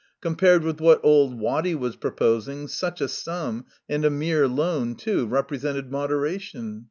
Compared with what old Waddy was proposing, such a sum, and a mere loan too, represented moderation.